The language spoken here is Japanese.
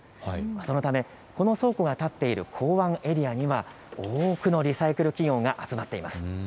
そのためこの倉庫が建っている港湾エリアには多くのリサイクル企業が集まっています。